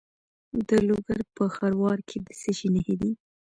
د لوګر په خروار کې د څه شي نښې دي؟